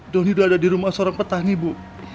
doni udah ada di rumah seorang petani bu